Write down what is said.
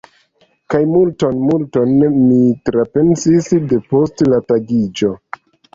Kaj multon, multon mi trapensis de post la tagiĝo!